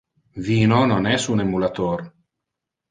Vino non es un emulator.